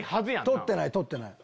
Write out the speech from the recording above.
撮ってない撮ってない。